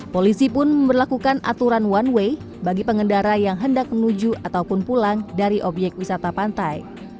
polisi pun memperlakukan aturan one way bagi pengendara yang hendak menuju ataupun pulang dari obyek wisata pantai